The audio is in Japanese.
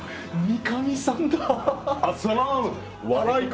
三上さんだ。